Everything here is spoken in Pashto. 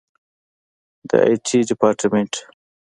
د آی ټي ډیپارټمنټ